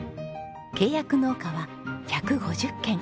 契約農家は１５０軒。